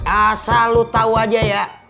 asal lo tau aja ya